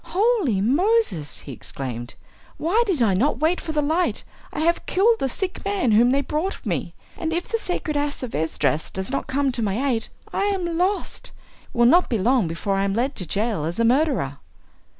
"Holy Moses!" he exclaimed, "why did I not wait for the light? I have killed the sick man whom they brought me; and if the sacred Ass of Esdras does not come to my aid I am lost! It will not be long before I am led to jail as a murderer."